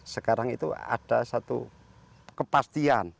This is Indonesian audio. sekarang itu ada satu kepastian